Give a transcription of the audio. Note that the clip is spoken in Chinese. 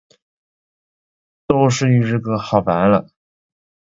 都是预制歌，好完了